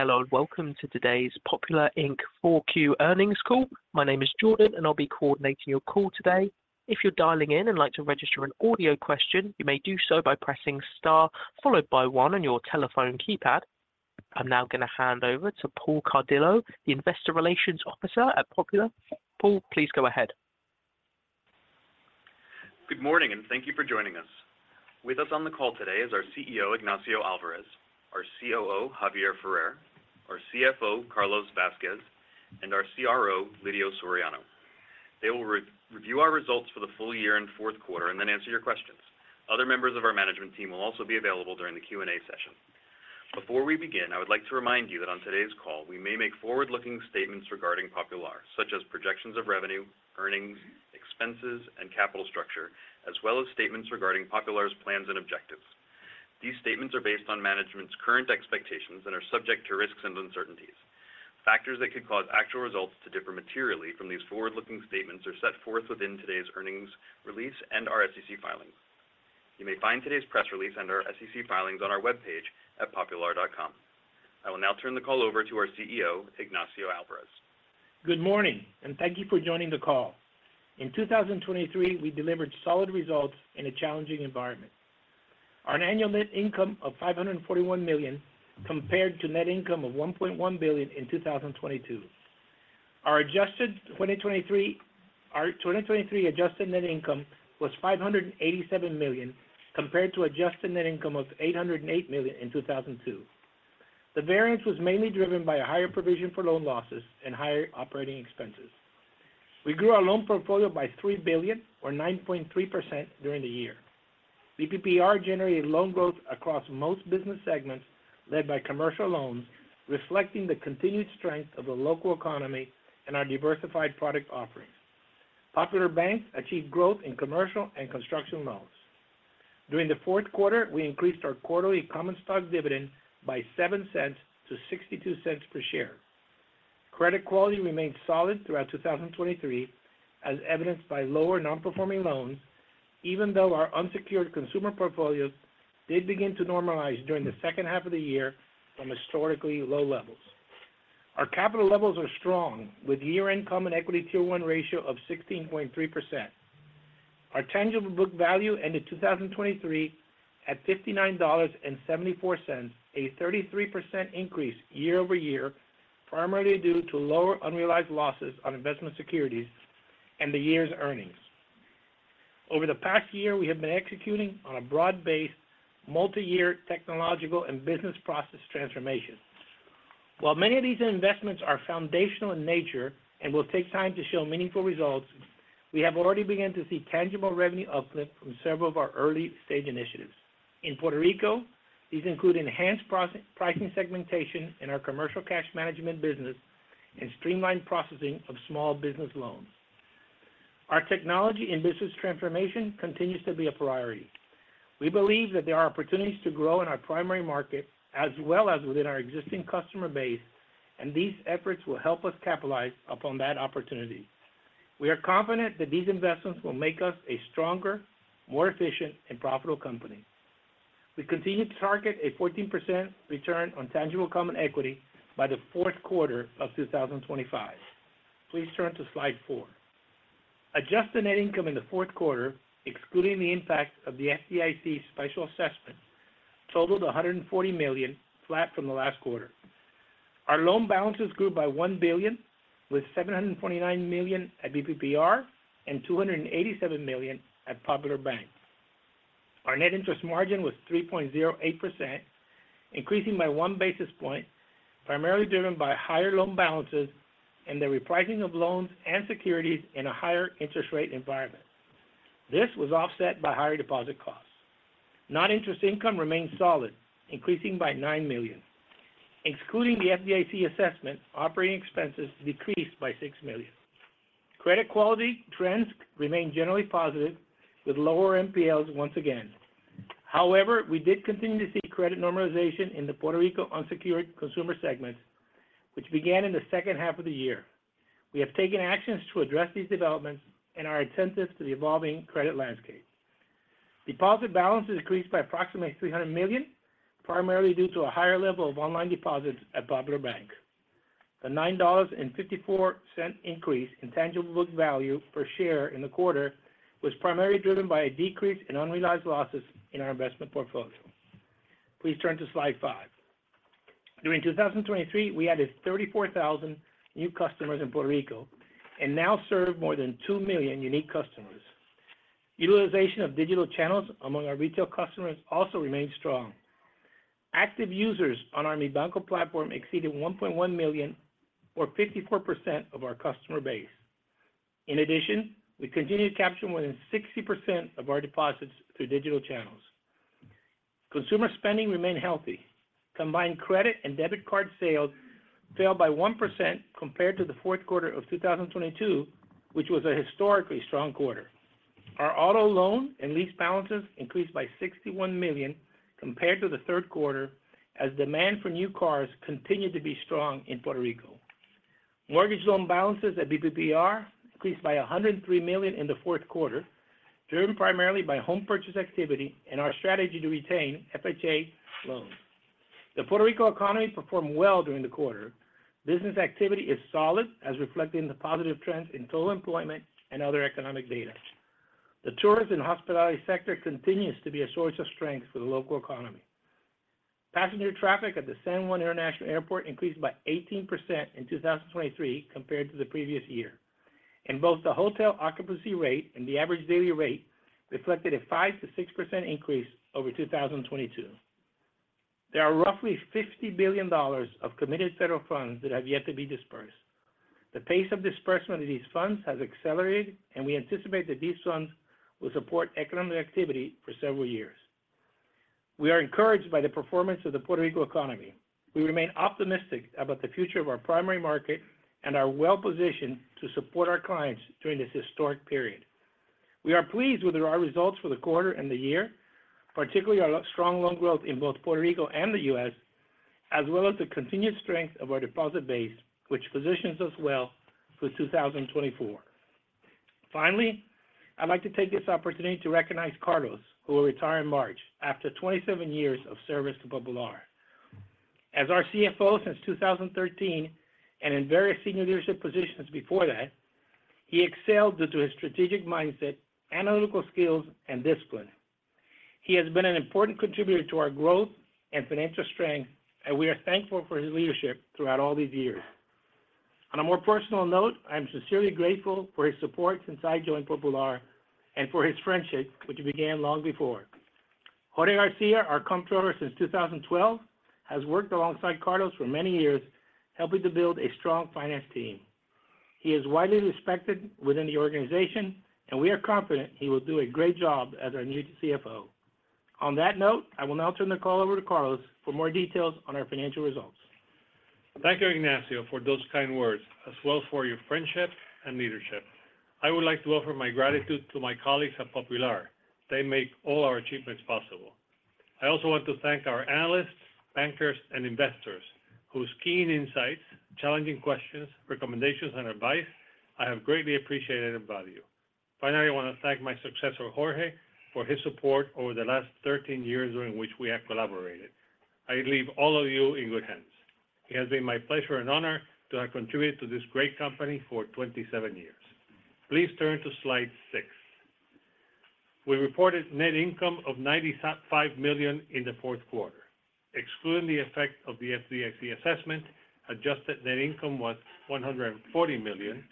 Hello, and welcome to today's Popular, Inc. 4Q earnings call. My name is Jordan, and I'll be coordinating your call today. If you're dialing in and like to register an audio question, you may do so by pressing star followed by one on your telephone keypad. I'm now going to hand over to Paul Cardillo, the Investor Relations Officer at Popular, Inc. Paul, please go ahead. Good morning, and thank you for joining us. With us on the call today is our CEO, Ignacio Alvarez, our COO, Javier Ferrer, our CFO, Carlos Vazquez, and our CRO, Lidio Soriano. They will review our results for the full year and fourth quarter and then answer your questions. Other members of our management team will also be available during the Q&A session. Before we begin, I would like to remind you that on today's call, we may make forward-looking statements regarding Popular, such as projections of revenue, earnings, expenses, and capital structure, as well as statements regarding Popular's plans and objectives. These statements are based on management's current expectations and are subject to risks and uncertainties. Factors that could cause actual results to differ materially from these forward-looking statements are set forth within today's earnings release and our SEC filings. You may find today's press release and our SEC filings on our webpage at popular.com. I will now turn the call over to our CEO, Ignacio Alvarez. Good morning, and thank you for joining the call. In 2023, we delivered solid results in a challenging environment. O annual net income of $541 million compared to net income of $1.1 billion in 2022. Our adjusted 2023—our 2023 adjusted net income was $587 million, compared to adjusted net income of $808 million in 2022. The variance was mainly driven by a higher provision for loan losses and higher operating expenses. We grew our loan portfolio by $3 billion or 9.3% during the year. BPPR generated loan growth across most business segments, led by commercial loans, reflecting the continued strength of the local economy and our diversified product offerings. Popular Bank achieved growth in commercial and construction loans. During the fourth quarter, we increased our quarterly common stock dividend by 7 cents to 62 cents per share. Credit quality remained solid throughout 2023, as evidenced by lower non-performing loans, even though our unsecured consumer portfolios did begin to normalize during the second half of the year from historically low levels. Our capital levels are strong, with year-end Common Equity Tier 1 ratio of 16.3%. Our tangible book value ended 2023 at $59.74, a 33% increase year-over-year, primarily due to lower unrealized losses on investment securities and the year's earnings. Over the past year, we have been executing on a broad-based, multi-year technological and business process transformation. While many of these investments are foundational in nature and will take time to show meaningful results, we have already begun to see tangible revenue uplift from several of our early-stage initiatives. In Puerto Rico, these include enhanced pricing segmentation in our commercial cash management business and streamlined processing of small business loans. Our technology and business transformation continues to be a priority. We believe that there are opportunities to grow in our primary market as well as within our existing customer base, and these efforts will help us capitalize upon that opportunity. We are confident that these investments will make us a stronger, more efficient, and profitable company. We continue to target a 14% return on tangible common equity by the fourth quarter of 2025. Please turn to slide four. Adjusted net income in the fourth quarter, excluding the impact of the FDIC special assessment, totaled $140 million, flat from the last quarter. Our loan balances grew by $1 billion, with $729 million at BPPR and $287 million at Popular Bank. Our net interest margin was 3.08%, increasing by 1 basis point, primarily driven by higher loan balances and the repricing of loans and securities in a higher interest rate environment. This was offset by higher deposit costs. Non-interest income remained solid, increasing by $9 million. Excluding the FDIC assessment, operating expenses decreased by $6 million. Credit quality trends remained generally positive, with lower NPLs once again. However, we did continue to see credit normalization in the Puerto Rico unsecured consumer segment, which began in the second half of the year. We have taken actions to address these developments and are attentive to the evolving credit landscape. Deposit balances increased by approximately $300 million, primarily due to a higher level of online deposits at Popular Bank. The $9.54 increase in tangible book value per share in the quarter was primarily driven by a decrease in unrealized losses in our investment portfolio. Please turn to slide five. During 2023, we added 34,000 new customers in Puerto Rico and now serve more than 2 million unique customers. Utilization of digital channels among our retail customers also remains strong. Active users on our Mi Banco platform exceeded 1.1 million, or 54% of our customer base. In addition, we continued to capture more than 60% of our deposits through digital channels. Consumer spending remained healthy. Combined credit and debit card sales fell by 1% compared to the fourth quarter of 2022, which was a historically strong quarter. Our auto loan and lease balances increased by $61 million compared to the third quarter, as demand for new cars continued to be strong in Puerto Rico. Mortgage loan balances at BPPR increased by $103 million in the fourth quarter, driven primarily by home purchase activity and our strategy to retain FHA loans. The Puerto Rico economy performed well during the quarter. Business activity is solid, as reflected in the positive trends in total employment and other economic data. The tourism and hospitality sector continues to be a source of strength for the local economy. Passenger traffic at the San Juan International Airport increased by 18% in 2023 compared to the previous year. Both the hotel occupancy rate and the average daily rate reflected a 5%-6% increase over 2022. There are roughly $50 billion of committed federal funds that have yet to be disbursed. The pace of disbursement of these funds has accelerated, and we anticipate that these funds will support economic activity for several years. We are encouraged by the performance of the Puerto Rico economy. We remain optimistic about the future of our primary market and are well-positioned to support our clients during this historic period. We are pleased with our results for the quarter and the year, particularly our strong loan growth in both Puerto Rico and the U.S., as well as the continued strength of our deposit base, which positions us well for 2024. Finally, I'd like to take this opportunity to recognize Carlos, who will retire in March after 27 years of service to Popular. As our CFO since 2013, and in various senior leadership positions before that, he excelled due to his strategic mindset, analytical skills, and discipline. He has been an important contributor to our growth and financial strength, and we are thankful for his leadership throughout all these years. On a more personal note, I'm sincerely grateful for his support since I joined Popular, and for his friendship, which began long before. Jorge García, our Comptroller since 2012, has worked alongside Carlos for many years, helping to build a strong finance team. He is widely respected within the organization, and we are confident he will do a great job as our new CFO. On that note, I will now turn the call over to Carlos for more details on our financial results. Thank you, Ignacio, for those kind words, as well as for your friendship and leadership. I would like to offer my gratitude to my colleagues at Popular. They make all our achievements possible. I also want to thank our analysts, bankers, and investors, whose keen insights, challenging questions, recommendations, and advice I have greatly appreciated and value. Finally, I want to thank my successor, Jorge, for his support over the last 13 years during which we have collaborated. I leave all of you in good hands. It has been my pleasure and honor to have contributed to this great company for 27 years. Please turn to slide six. We reported net income of $95 million in the fourth quarter. Excluding the effect of the FDIC assessment, adjusted net income was $140 million,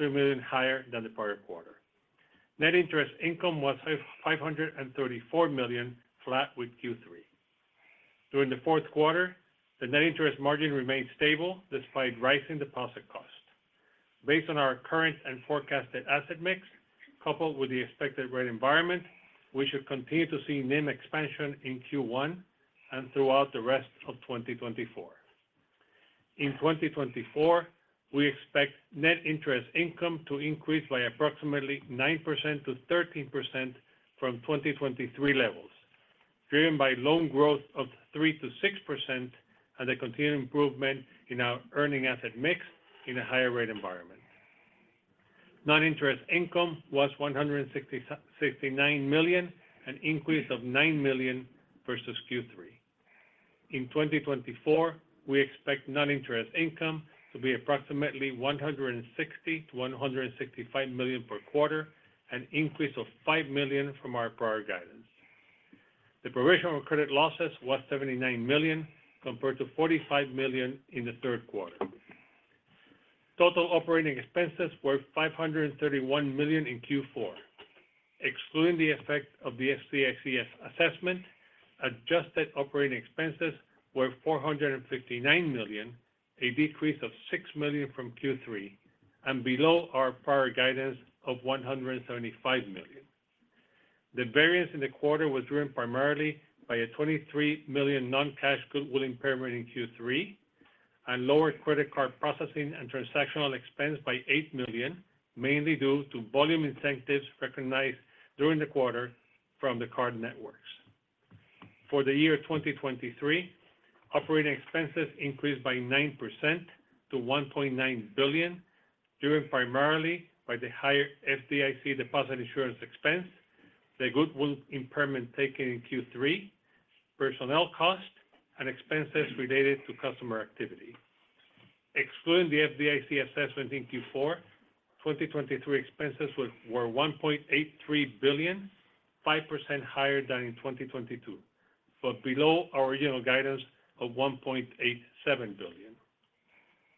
$3 million higher than the prior quarter. Net interest income was $534 million, flat with Q3. During the fourth quarter, the net interest margin remained stable despite rising deposit cost. Based on our current and forecasted asset mix, coupled with the expected rate environment, we should continue to see NIM expansion in Q1 and throughout the rest of 2024. In 2024, we expect net interest income to increase by approximately 9%-13% from 2023 levels, driven by loan growth of 3%-6% and a continued improvement in our earning asset mix in a higher rate environment. Non-interest income was $169 million, an increase of $9 million versus Q3. In 2024, we expect non-interest income to be approximately $160 million-$165 million per quarter, an increase of $5 million from our prior guidance. The provisional credit losses was $79 million, compared to $45 million in the third quarter. Total operating expenses were $531 million in Q4. Excluding the effect of the FDIC assessment, adjusted operating expenses were $459 million, a decrease of $6 million from Q3, and below our prior guidance of $175 million. The variance in the quarter was driven primarily by a $23 million non-cash goodwill impairment in Q3 and lower credit card processing and transactional expense by $8 million, mainly due to volume incentives recognized during the quarter from the card networks. For the year 2023, operating expenses increased by 9% to $1.9 billion, driven primarily by the higher FDIC deposit insurance expense, the goodwill impairment taken in Q3, personnel cost, and expenses related to customer activity. Excluding the FDIC assessment in Q4, 2023 expenses were $1.83 billion, 5% higher than in 2022, but below our original guidance of $1.87 billion.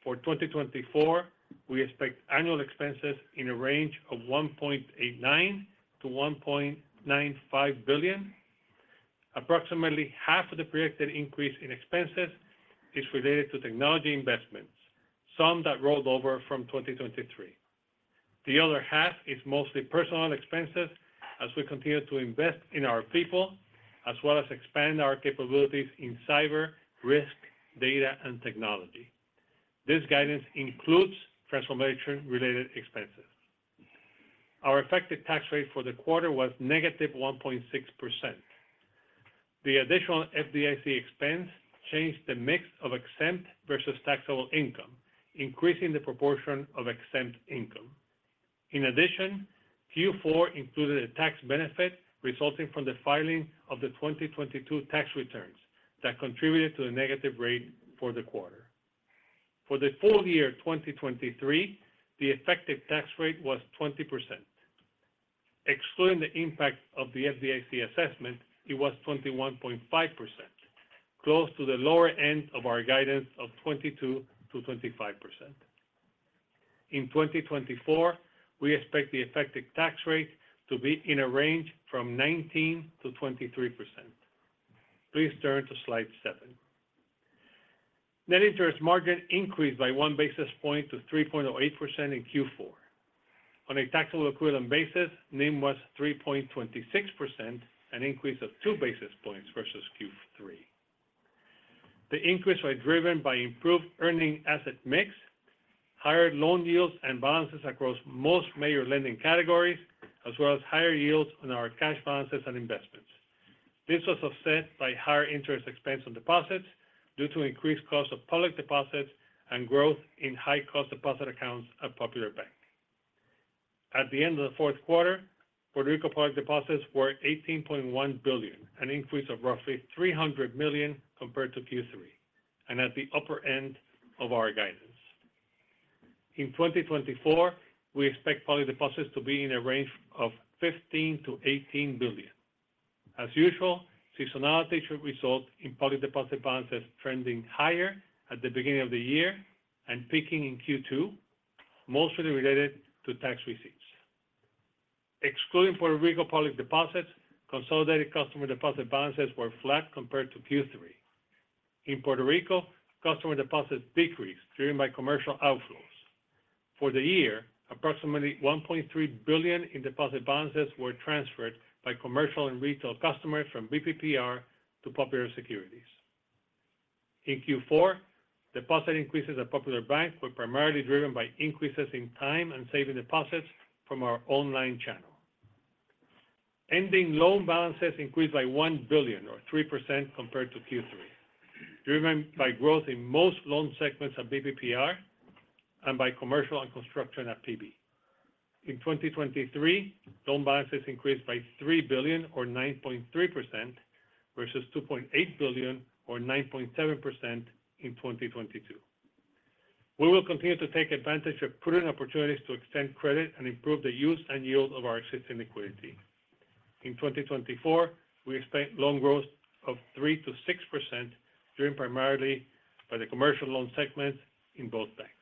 For 2024, we expect annual expenses in a range of $1.89-$1.95 billion. Approximately half of the projected increase in expenses is related to technology investments, some that rolled over from 2023. The other half is mostly personnel expenses, as we continue to invest in our people, as well as expand our capabilities in cyber, risk, data, and technology. This guidance includes transformation-related expenses.... Our effective tax rate for the quarter was -1.6%. The additional FDIC expense changed the mix of exempt versus taxable income, increasing the proportion of exempt income. In addition, Q4 included a tax benefit resulting from the filing of the 2022 tax returns that contributed to a negative rate for the quarter. For the full year 2023, the effective tax rate was 20%. Excluding the impact of the FDIC assessment, it was 21.5%, close to the lower end of our guidance of 22%-25%. In 2024, we expect the effective tax rate to be in a range from 19%-23%. Please turn to slide seven. Net interest margin increased by 1 basis point to 3.8% in Q4. On a taxable equivalent basis, NIM was 3.26%, an increase of two basis points versus Q3. The increase was driven by improved earning asset mix, higher loan yields, and balances across most major lending categories, as well as higher yields on our cash balances and investments. This was offset by higher interest expense on deposits due to increased cost of public deposits and growth in high cost deposit accounts at Popular Bank. At the end of the fourth quarter, Puerto Rico public deposits were $18.1 billion, an increase of roughly $300 million compared to Q3, and at the upper end of our guidance. In 2024, we expect public deposits to be in a range of $15 billion-$18 billion. As usual, seasonality should result in public deposit balances trending higher at the beginning of the year and peaking in Q2, mostly related to tax receipts. Excluding Puerto Rico public deposits, consolidated customer deposit balances were flat compared to Q3. In Puerto Rico, customer deposits decreased, driven by commercial outflows. For the year, approximately $1.3 billion in deposit balances were transferred by commercial and retail customers from BPPR to Popular Securities. In Q4, deposit increases at Popular Bank were primarily driven by increases in time and saving deposits from our online channel. Ending loan balances increased by $1 billion or 3% compared to Q3, driven by growth in most loan segments at BPPR and by commercial and construction at PB. In 2023, loan balances increased by $3 billion or 9.3%, versus $2.8 billion or 9.7% in 2022. We will continue to take advantage of prudent opportunities to extend credit and improve the use and yield of our existing liquidity. In 2024, we expect loan growth of 3%-6%, driven primarily by the commercial loan segment in both banks.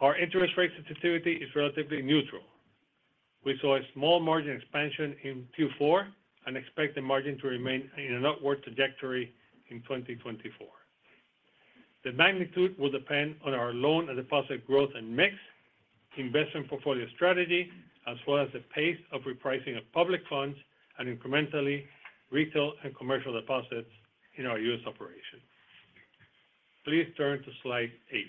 Our interest rate sensitivity is relatively neutral. We saw a small margin expansion in Q4 and expect the margin to remain in an upward trajectory in 2024. The magnitude will depend on our loan and deposit growth and mix, investment portfolio strategy, as well as the pace of repricing of public funds and incrementally, retail and commercial deposits in our U.S. operations. Please turn to slide 8.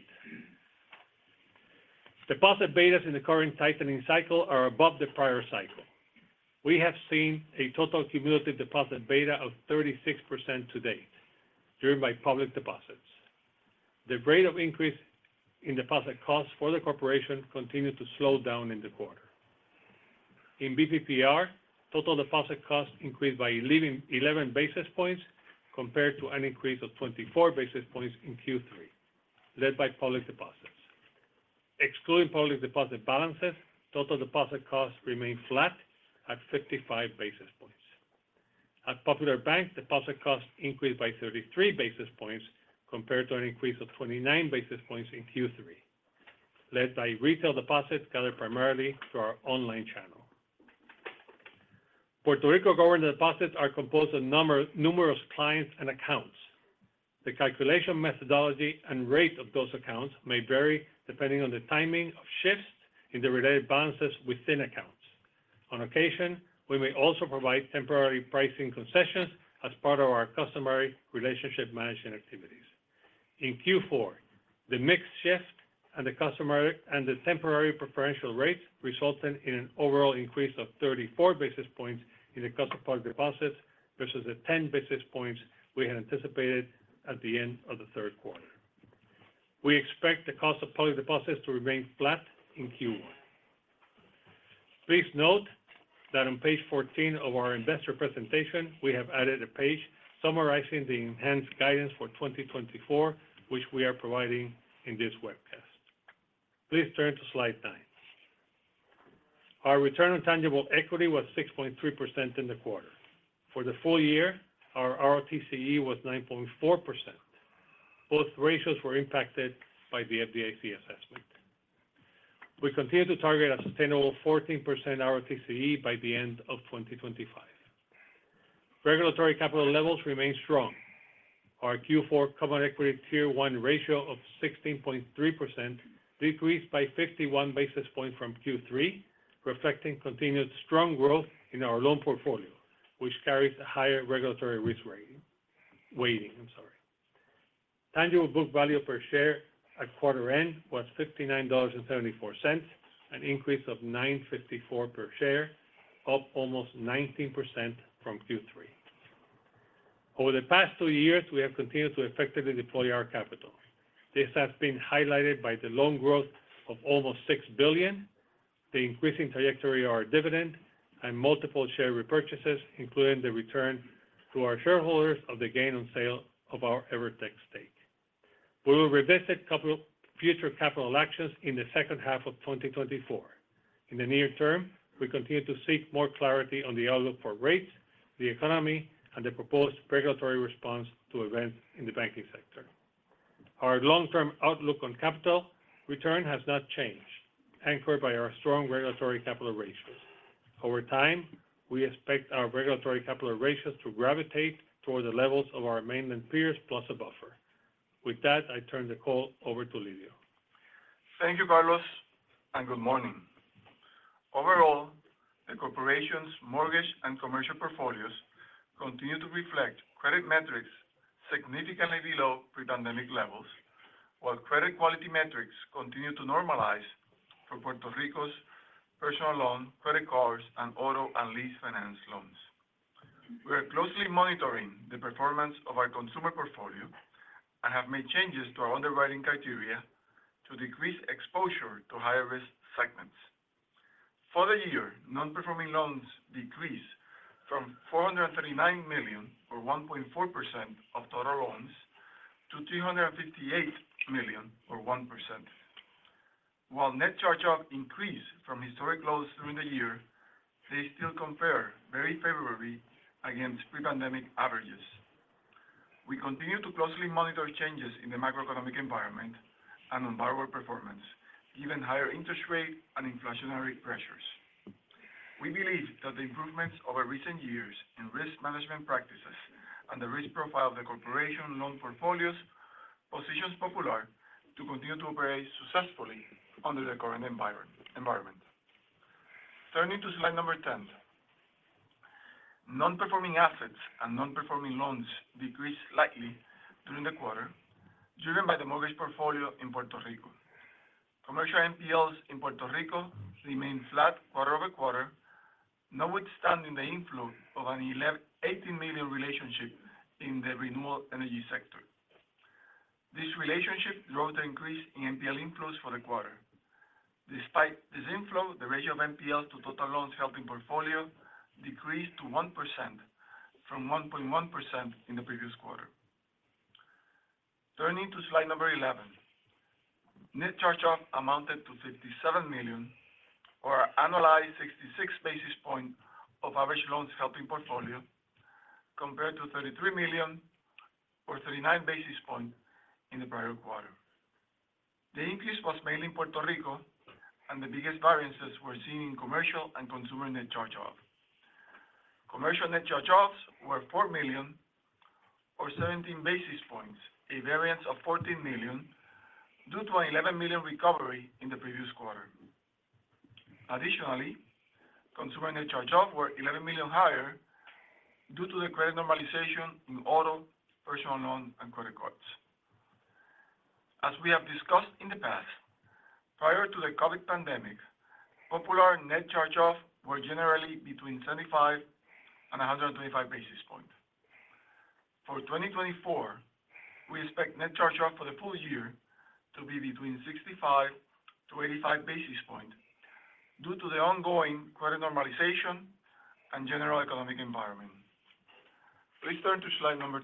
Deposit betas in the current tightening cycle are above the prior cycle. We have seen a total cumulative deposit beta of 36% to date, driven by public deposits. The rate of increase in deposit costs for the corporation continued to slow down in the quarter. In BPPR, total deposit costs increased by 11 basis points compared to an increase of 24 basis points in Q3, led by public deposits. Excluding public deposit balances, total deposit costs remained flat at 55 basis points. At Popular Bank, deposit costs increased by 33 basis points compared to an increase of 29 basis points in Q3, led by retail deposits gathered primarily through our online channel. Puerto Rico government deposits are composed of numerous clients and accounts. The calculation, methodology, and rate of those accounts may vary depending on the timing of shifts in the related balances within accounts. On occasion, we may also provide temporary pricing concessions as part of our customary relationship management activities. In Q4, the mix shift and the customer and the temporary preferential rates resulted in an overall increase of 34 basis points in the cost of public deposits, versus the 10 basis points we had anticipated at the end of the third quarter. We expect the cost of public deposits to remain flat in Q1. Please note that on page 14 of our investor presentation, we have added a page summarizing the enhanced guidance for 2024, which we are providing in this webcast. Please turn to slide 9. Our return on tangible equity was 6.3% in the quarter. For the full year, our ROTCE was 9.4%. Both ratios were impacted by the FDIC assessment. We continue to target a sustainable 14% ROTCE by the end of 2025. Regulatory capital levels remain strong. Our Q4 Common Equity Tier 1 ratio of 16.3% decreased by 51 basis points from Q3, reflecting continued strong growth in our loan portfolio, which carries a higher regulatory risk rating. Tangible book value per share at quarter end was $59.74, an increase of $9.54 per share, up almost 19% from Q3. Over the past two years, we have continued to effectively deploy our capital. This has been highlighted by the loan growth of almost $6 billion, the increasing trajectory of our dividend, and multiple share repurchases, including the return to our shareholders of the gain on sale of our Evertec stake. We will revisit future capital actions in the second half of 2024. In the near term, we continue to seek more clarity on the outlook for rates, the economy, and the proposed regulatory response to events in the banking sector. Our long-term outlook on capital return has not changed, anchored by our strong regulatory capital ratios. Over time, we expect our regulatory capital ratios to gravitate toward the levels of our mainland peers, plus a buffer. With that, I turn the call over to Lidio. Thank you, Carlos, and good morning. Overall, the corporation's mortgage and commercial portfolios continue to reflect credit metrics significantly below pre-pandemic levels, while credit quality metrics continue to normalize for Puerto Rico's personal loan, credit cards, and auto and lease finance loans. We are closely monitoring the performance of our consumer portfolio and have made changes to our underwriting criteria to decrease exposure to higher-risk segments. For the year, non-performing loans decreased from $439 million, or 1.4% of total loans, to $358 million or 1%. While net charge-off increased from historic lows during the year, they still compare very favorably against pre-pandemic averages. We continue to closely monitor changes in the macroeconomic environment and on borrower performance, given higher interest rate and inflationary pressures. We believe that the improvements over recent years in risk management practices and the risk profile of the corporate loan portfolios positions Popular to continue to operate successfully under the current environment. Turning to slide 10. Non-performing assets and non-performing loans decreased slightly during the quarter, driven by the mortgage portfolio in Puerto Rico. Commercial NPLs in Puerto Rico remained flat quarter-over-quarter, notwithstanding the inflow of an $80 million relationship in the renewable energy sector. This relationship drove the increase in NPL inflows for the quarter. Despite this inflow, the ratio of NPLs to total loans held in portfolio decreased to 1% from 1.1% in the previous quarter. Turning to slide 11. Net charge-off amounted to $57 million, or annualized 66 basis points of average loans held in portfolio, compared to $33 million or 39 basis points in the prior quarter. The increase was mainly in Puerto Rico, and the biggest variances were seen in commercial and consumer net charge-offs. Commercial net charge-offs were $4 million or 17 basis points, a variance of $14 million due to an $11 million recovery in the previous quarter. Additionally, consumer net charge-offs were $11 million higher due to the credit normalization in auto, personal loan, and credit cards. As we have discussed in the past, prior to the COVID pandemic, Popular net charge-offs were generally between 75 and 125 basis points. For 2024, we expect net charge-offs for the full year to be between 65-85 basis points due to the ongoing credit normalization and general economic environment. Please turn to slide 12.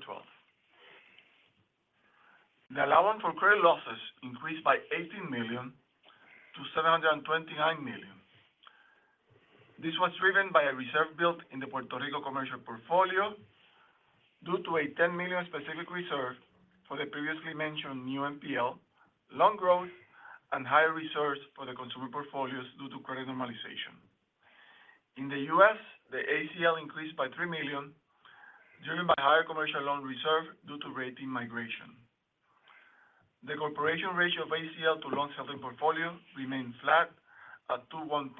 The allowance for credit losses increased by $18 million to $729 million. This was driven by a reserve built in the Puerto Rico commercial portfolio due to a $10 million specific reserve for the previously mentioned new NPL, loan growth, and higher reserves for the consumer portfolios due to credit normalization. In the U.S., the ACL increased by $3 million, driven by higher commercial loan reserve due to rating migration. The coverage ratio of ACL to loans held in portfolio remained flat at 2.1%,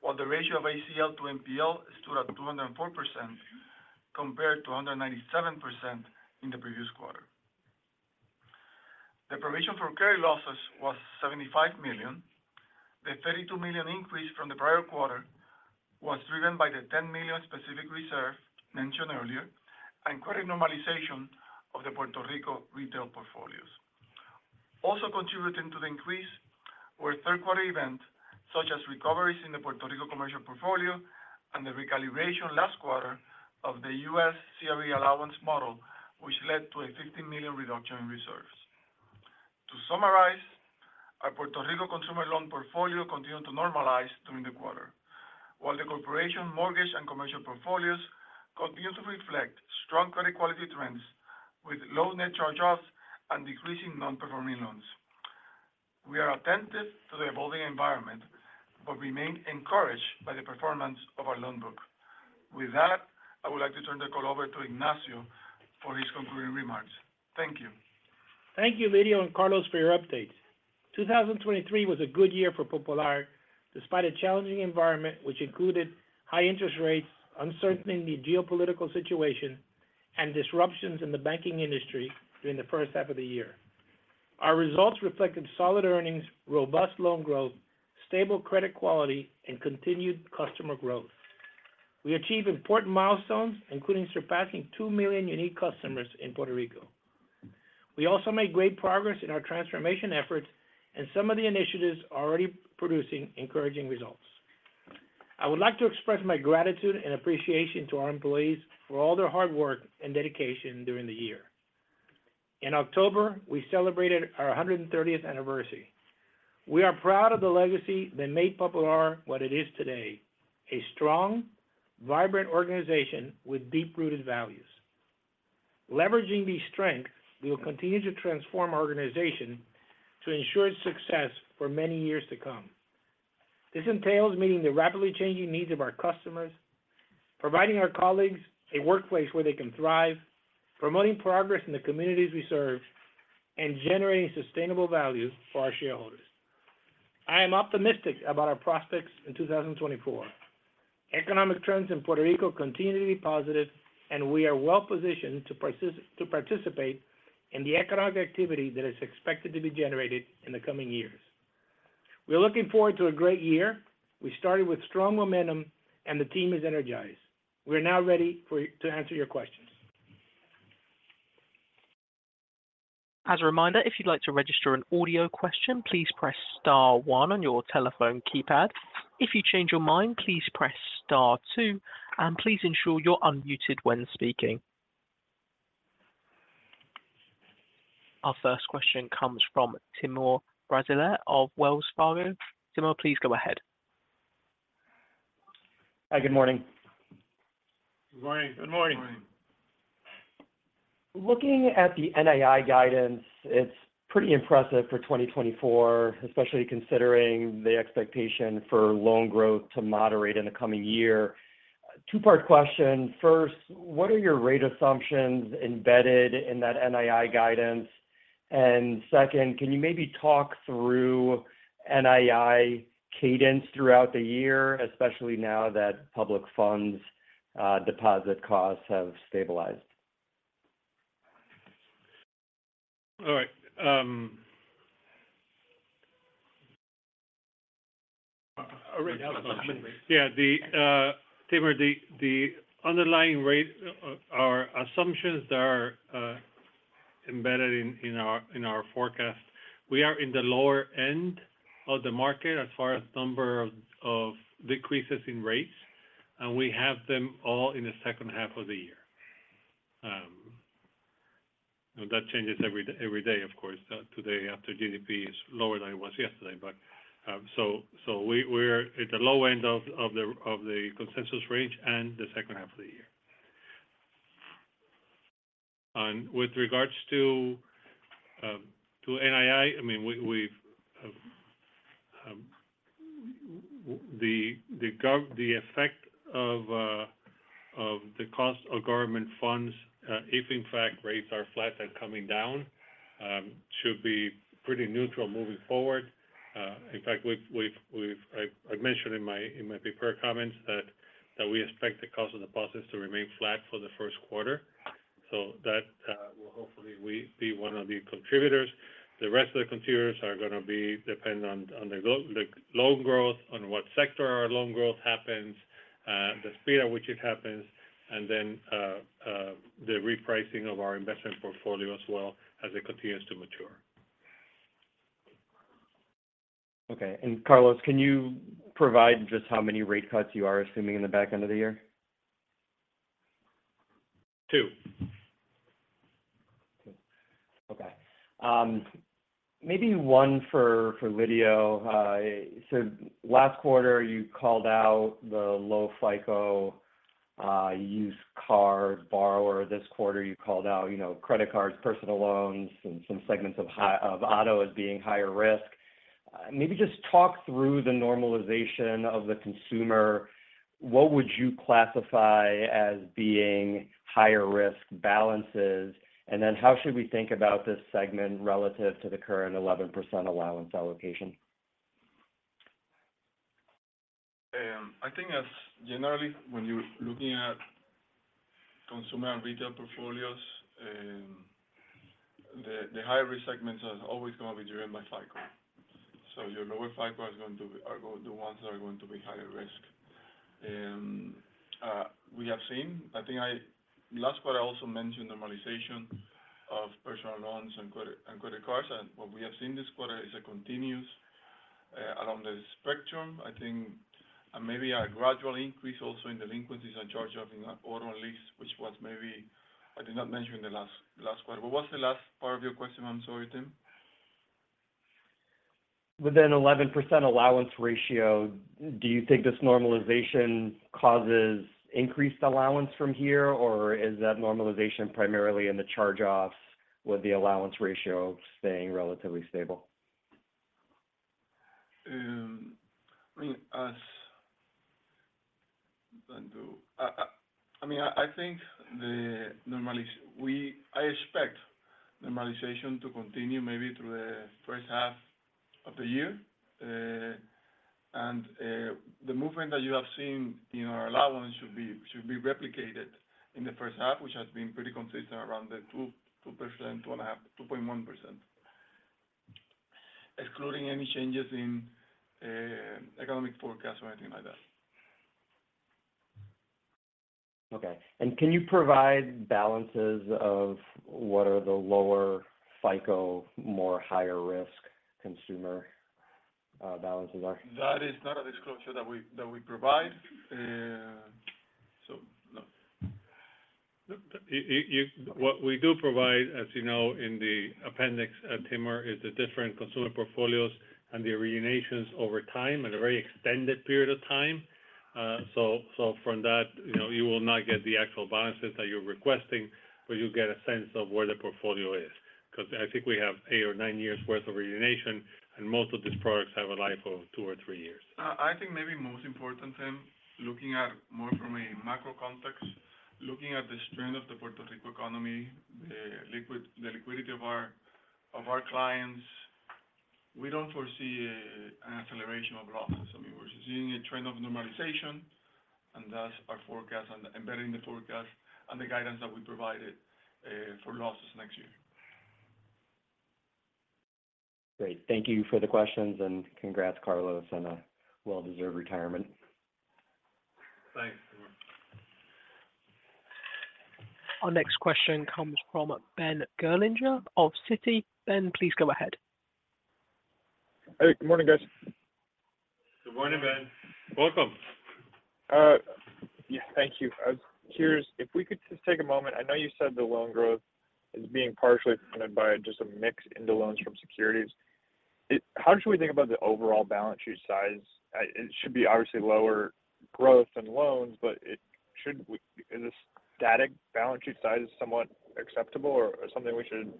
while the ratio of ACL to NPL stood at 204%, compared to 197% in the previous quarter. The provision for credit losses was $75 million. The $32 million increase from the prior quarter was driven by the $10 million specific reserve mentioned earlier and credit normalization of the Puerto Rico retail portfolios. Also contributing to the increase were third quarter events, such as recoveries in the Puerto Rico commercial portfolio and the recalibration last quarter of the U.S. CRE allowance model, which led to a $50 million reduction in reserves. To summarize, our Puerto Rico consumer loan portfolio continued to normalize during the quarter, while the corporate, mortgage, and commercial portfolios continue to reflect strong credit quality trends with low net charge-offs and decreasing non-performing loans. We are attentive to the evolving environment but remain encouraged by the performance of our loan book. With that, I would like to turn the call over to Ignacio for his concluding remarks. Thank you.... Thank you, Lidio and Carlos, for your updates. 2023 was a good year for Popular, despite a challenging environment which included high interest rates, uncertainty in the geopolitical situation, and disruptions in the banking industry during the first half of the year. Our results reflected solid earnings, robust loan growth, stable credit quality, and continued customer growth. We achieved important milestones, including surpassing 2 million unique customers in Puerto Rico. We also made great progress in our transformation efforts, and some of the initiatives are already producing encouraging results. I would like to express my gratitude and appreciation to our employees for all their hard work and dedication during the year. In October, we celebrated our 130th anniversary. We are proud of the legacy that made Popular what it is today, a strong, vibrant organization with deep-rooted values. Leveraging these strengths, we will continue to transform our organization to ensure its success for many years to come. This entails meeting the rapidly changing needs of our customers, providing our colleagues a workplace where they can thrive, promoting progress in the communities we serve, and generating sustainable value for our shareholders. I am optimistic about our prospects in 2024. Economic trends in Puerto Rico continue to be positive, and we are well-positioned to participate in the economic activity that is expected to be generated in the coming years. We're looking forward to a great year. We started with strong momentum, and the team is energized. We're now ready to answer your questions. As a reminder, if you'd like to register an audio question, please press star one on your telephone keypad. If you change your mind, please press star two, and please ensure you're unmuted when speaking. Our first question comes from Timur Braziler of Wells Fargo. Timur, please go ahead. Hi, good morning. Good morning. Good morning. Looking at the NII guidance, it's pretty impressive for 2024, especially considering the expectation for loan growth to moderate in the coming year. Two-part question. First, what are your rate assumptions embedded in that NII guidance? And second, can you maybe talk through NII cadence throughout the year, especially now that public funds, deposit costs have stabilized? All right. Yeah, Timur, the underlying rate assumptions that are embedded in our forecast. We are in the lower end of the market as far as number of decreases in rates, and we have them all in the second half of the year. And that changes every day, of course, today, after GDP is lower than it was yesterday. But we're at the low end of the consensus range and the second half of the year. And with regards to NII, I mean, the effect of the cost of government funds, if in fact rates are flat and coming down, should be pretty neutral moving forward. In fact, we've... I've mentioned in my prepared comments that we expect the cost of deposits to remain flat for the first quarter. So that will hopefully be one of the contributors. The rest of the contributors are going to be dependent on the loan growth, on what sector our loan growth happens, the speed at which it happens, and then the repricing of our investment portfolio as well as it continues to mature. Okay. Carlos, can you provide just how many rate cuts you are assuming in the back end of the year? Two. Okay. Maybe one for Lidio. So last quarter, you called out the low FICO used car borrower. This quarter, you called out, you know, credit cards, personal loans, and some segments of high, of auto as being higher risk. Maybe just talk through the normalization of the consumer. What would you classify as being higher risk balances? And then how should we think about this segment relative to the current 11% allowance allocation? I think as generally, when you're looking at consumer and retail portfolios, the, the high-risk segments are always going to be driven by FICO. So your lower FICO is going to, are the ones that are going to be higher risk. We have seen, I think last quarter, I also mentioned normalization of personal loans and credit, and credit cards. And what we have seen this quarter is a continuous, along the spectrum. I think, and maybe a gradual increase also in delinquencies and charge-off in our auto lease, which was maybe I did not mention in the last, last quarter. But what's the last part of your question? I'm sorry, Tim. Within 11% allowance ratio, do you think this normalization causes increased allowance from here, or is that normalization primarily in the charge-offs with the allowance ratio staying relatively stable? I mean, I think the normalization. I expect normalization to continue maybe through the first half of the year. And the movement that you have seen in our allowance should be replicated in the first half, which has been pretty consistent around the 2, 2%, 2.5, 2.1%. Excluding any changes in economic forecast or anything like that. Okay. And can you provide balances of what are the lower FICO, more higher risk consumer, balances are? That is not a disclosure that we provide. So no. What we do provide, as you know, in the appendix, Timur, is the different consumer portfolios and the vintages over time, at a very extended period of time. So from that, you know, you will not get the actual balances that you're requesting, but you'll get a sense of where the portfolio is. Because I think we have eight or nine years' worth of vintage, and most of these products have a life of two or three years. I think maybe most important, Tim, looking at more from a macro context, looking at the strength of the Puerto Rico economy, the liquidity of our clients, we don't foresee an acceleration of losses. I mean, we're seeing a trend of normalization, and thus our forecast and embedding the forecast and the guidance that we provided for losses next year. Great. Thank you for the questions, and congrats, Carlos, on a well-deserved retirement. Thanks, Tim. Our next question comes from Ben Gerlinger of Citi. Ben, please go ahead. Hey, good morning, guys. Good morning, Ben. Welcome. Yeah, thank you. I was curious if we could just take a moment. I know you said the loan growth is being partially funded by just a mix into loans from securities. How should we think about the overall balance sheet size? It should be obviously lower growth in loans, but is a static balance sheet size somewhat acceptable or, or something we should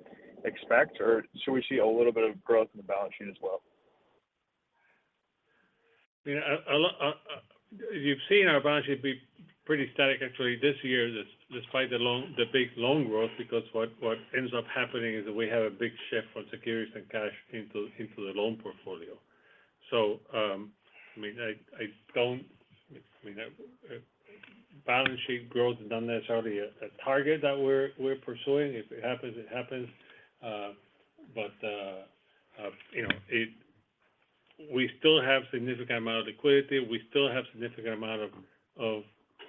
expect? Or should we see a little bit of growth in the balance sheet as well? You know, a lot. You've seen our balance sheet be pretty static actually this year, despite the loan, the big loan growth, because what ends up happening is that we have a big shift from securities and cash into the loan portfolio. So, I mean, balance sheet growth is not necessarily a target that we're pursuing. If it happens, it happens. You know, we still have significant amount of liquidity. We still have significant amount of part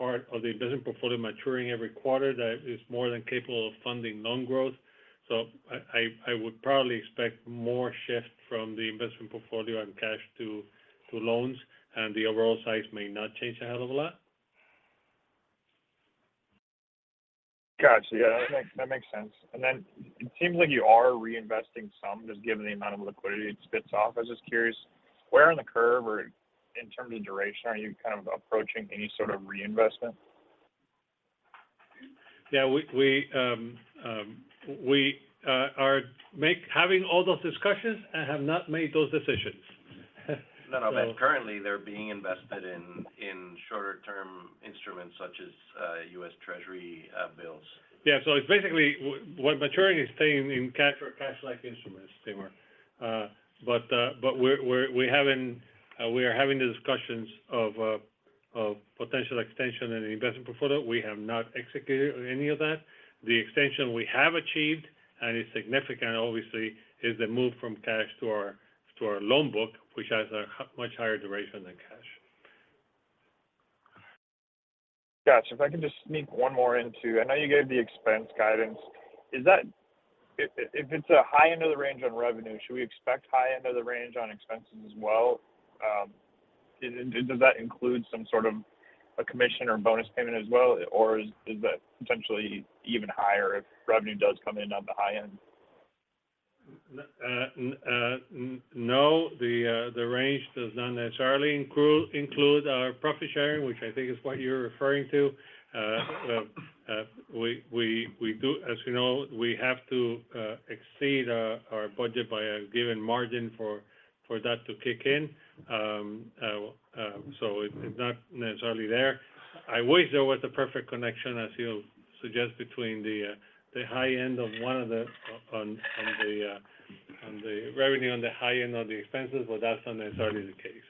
of the investment portfolio maturing every quarter that is more than capable of funding loan growth. So I would probably expect more shift from the investment portfolio and cash to loans, and the overall size may not change a hell of a lot. Got you. Yeah, that makes, that makes sense. And then it seems like you are reinvesting some, just given the amount of liquidity it spits off. I was just curious, where in the curve or in terms of duration, are you kind of approaching any sort of reinvestment? Yeah, we are having all those discussions and have not made those decisions. No, no, but currently they're being invested in, in shorter-term instruments such as, U.S. Treasury bills. Yeah, so it's basically what maturity is staying in cash or cash-like instruments, they were. But we're having the discussions of potential extension in the investment portfolio. We have not executed on any of that. The extension we have achieved, and is significant obviously, is the move from cash to our loan book, which has much higher duration than cash. Got you. If I can just sneak one more into... I know you gave the expense guidance. Is that if it's a high end of the range on revenue, should we expect high end of the range on expenses as well? And does that include some sort of a commission or bonus payment as well? Or is that potentially even higher if revenue does come in on the high end? No, the range does not necessarily include our profit sharing, which I think is what you're referring to. We do—as you know, we have to exceed our budget by a given margin for that to kick in. So it, it's not necessarily there. I wish there was a perfect connection, as you suggest, between the high end of one of the on the revenue and the high end of the expenses, but that's not necessarily the case.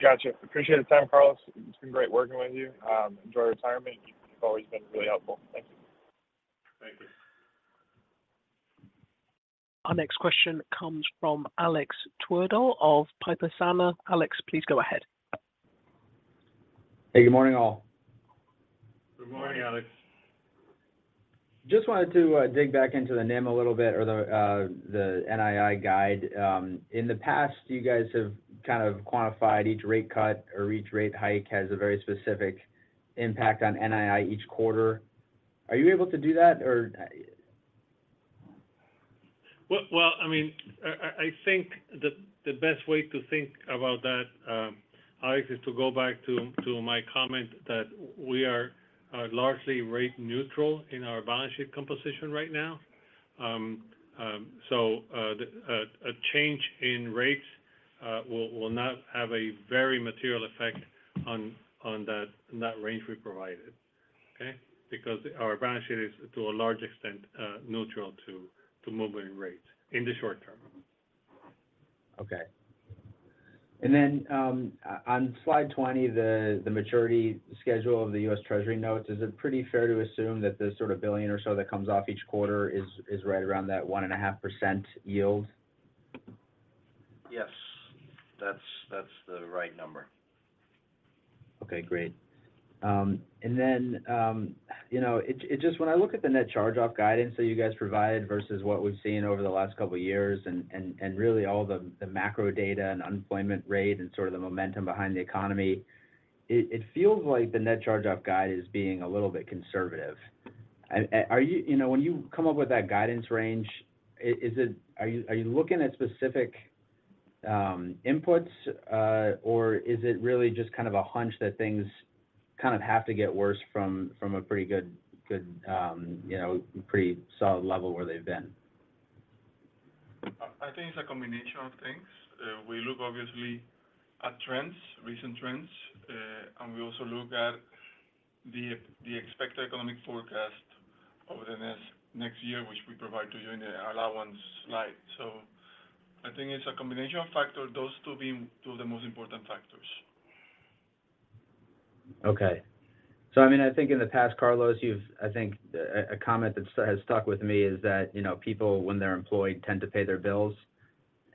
Gotcha. Appreciate the time, Carlos. It's been great working with you. Enjoy retirement. You've always been really helpful. Thank you. Thank you. Our next question comes from Alex Twerdahl of Piper Sandler. Alex, please go ahead. Hey, good morning, all. Good morning, Alex. Just wanted to dig back into the NIM a little bit, or the NII guide. In the past, you guys have kind of quantified each rate cut or each rate hike has a very specific impact on NII each quarter. Are you able to do that, or...? Well, I mean, I think the best way to think about that, Alex, is to go back to my comment that we are largely rate neutral in our balance sheet composition right now. So, a change in rates will not have a very material effect on that, in that range we provided, okay? Because our balance sheet is, to a large extent, neutral to moving rates in the short term. Okay. And then on slide 20, the maturity schedule of the U.S. Treasury notes, is it pretty fair to assume that the sort of $1 billion or so that comes off each quarter is right around that 1.5% yield? Yes. That's the right number. Okay, great. And then, you know, it just when I look at the net charge-off guidance that you guys provided versus what we've seen over the last couple of years and really all the macro data and unemployment rate and sort of the momentum behind the economy, it feels like the net charge-off guide is being a little bit conservative. Are you-- You know, when you come up with that guidance range, is it are you looking at specific inputs, or is it really just kind of a hunch that things kind of have to get worse from a pretty good you know, pretty solid level where they've been? I think it's a combination of things. We look obviously at trends, recent trends, and we also look at the expected economic forecast over the next year, which we provide to you in the allowance slide. So I think it's a combination of factors, those two being two of the most important factors. Okay. So, I mean, I think in the past, Carlos, you've, I think, a comment that has stuck with me is that, you know, people, when they're employed, tend to pay their bills.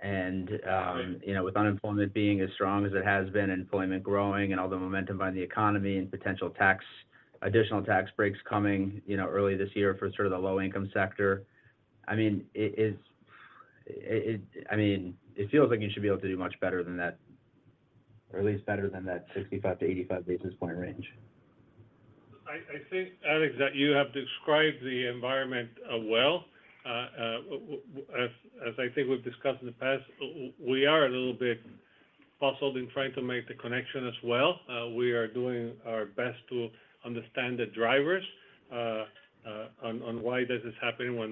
And Right... you know, with unemployment being as strong as it has been, and employment growing and all the momentum behind the economy and potential tax, additional tax breaks coming, you know, early this year for sort of the low-income sector, I mean, it is, I mean, it feels like you should be able to do much better than that, or at least better than that 65-85 basis point range. I think, Alex, that you have described the environment well. As I think we've discussed in the past, we are a little bit puzzled in trying to make the connection as well. We are doing our best to understand the drivers on why this is happening when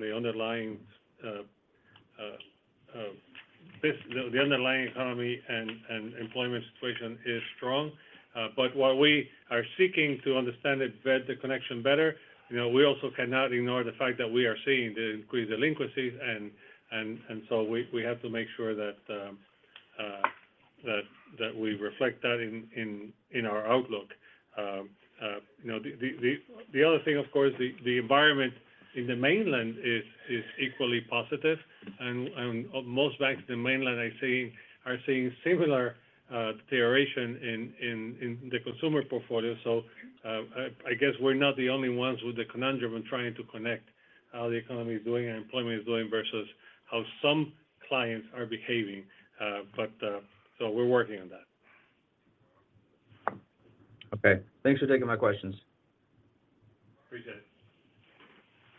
the underlying economy and employment situation is strong. But while we are seeking to understand it better, the connection better, you know, we also cannot ignore the fact that we are seeing the increased delinquencies and so we have to make sure that we reflect that in our outlook. You know, the other thing, of course, the environment in the mainland is equally positive, and most banks in the mainland are seeing similar deterioration in the consumer portfolio. So, I guess we're not the only ones with the conundrum in trying to connect how the economy is doing and employment is doing versus how some clients are behaving. But, so we're working on that. Okay. Thanks for taking my questions. Appreciate it.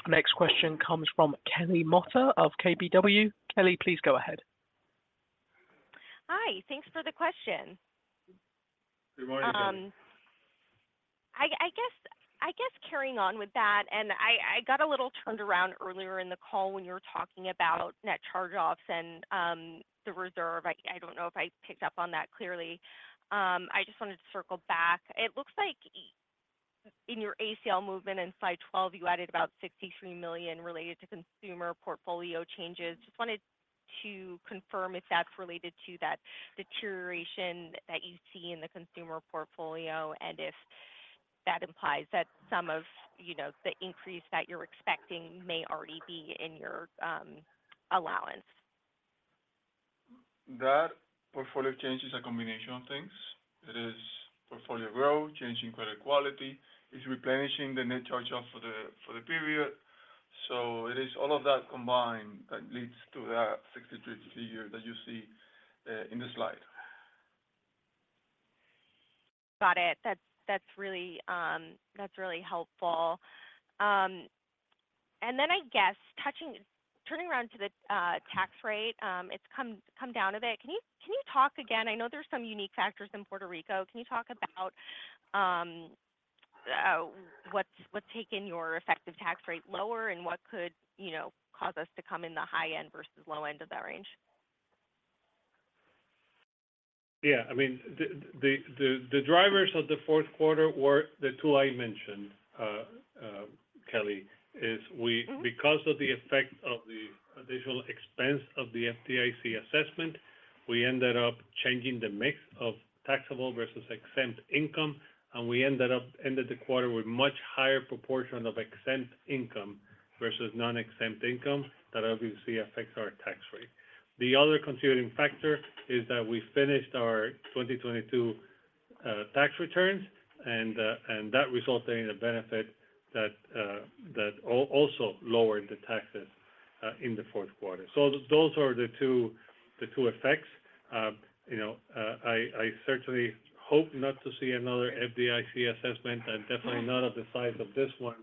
Next question comes from Kelly Motta of KBW. Kelly, please go ahead. Hi, thanks for the question. Good morning, Kelly. I guess carrying on with that, and I got a little turned around earlier in the call when you were talking about net charge-offs and the reserve. I don't know if I picked up on that clearly. I just wanted to circle back. It looks like in your ACL movement in slide 12, you added about $63 million related to consumer portfolio changes. Just wanted to confirm if that's related to that deterioration that you see in the consumer portfolio, and if that implies that some of, you know, the increase that you're expecting may already be in your allowance. That portfolio change is a combination of things. It is portfolio growth, change in credit quality, it's replenishing the net charge-off for the period. It is all of that combined that leads to that 63 figure that you see in the slide. Got it. That's really helpful. And then I guess touching—turning around to the tax rate, it's come down a bit. Can you talk again—I know there's some unique factors in Puerto Rico. Can you talk about what's taken your effective tax rate lower and what could, you know, cause us to come in the high end versus low end of that range? Yeah. I mean, the drivers of the fourth quarter were the two I mentioned, Kelly, is we- Mm-hmm... because of the effect of the additional expense of the FDIC assessment, we ended up changing the mix of taxable versus exempt income, and we ended up ending the quarter with much higher proportion of exempt income versus non-exempt income. That obviously affects our tax rate. The other considering factor is that we finished our 2022 tax returns, and that resulting in a benefit that also lowered the taxes in the fourth quarter. So those are the two, the two effects. You know, I certainly hope not to see another FDIC assessment, and definitely not of the size of this one,